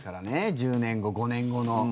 １０年後、５年後の。